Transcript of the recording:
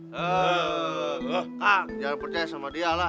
hah jangan percaya sama dia lah